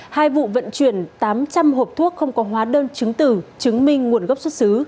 hai vụ vận chuyển tám trăm linh hộp thuốc không có hóa đơn chứng tử chứng minh nguồn gốc xuất xứ